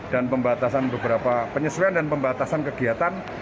pembatasan beberapa penyesuaian dan pembatasan kegiatan